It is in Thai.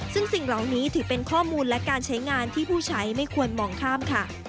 ซึ่งสิ่งเหล่านี้ถือเป็นข้อมูลและการใช้งานที่ผู้ใช้ไม่ควรมองข้ามค่ะ